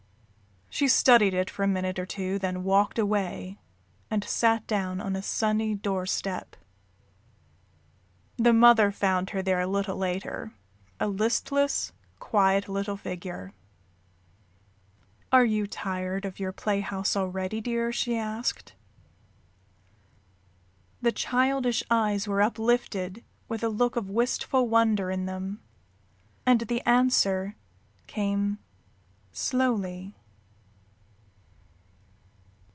She studied it for a minute or two, then walked away and sat down on a sunny doorstep. The mother found her there a little later, a listless, quiet little figure. "Are you tired of your playhouse already, dear?" she asked. The childish eyes were uplifted with a look of wistful wonder in them, and the answer came slowly.